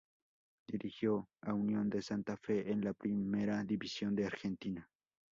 Dirigió a Unión de Santa Fe en la Primera División de Argentina.